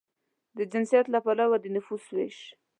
د جنسیت له پلوه د نفوسو وېش